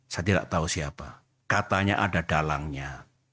saya tidak tahu siapa katanya ada dalangnya